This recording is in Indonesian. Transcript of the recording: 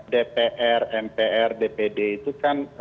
dpr mpr dpd itu kan